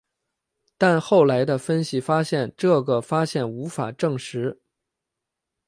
但后来的分析发现这个发现无法证实。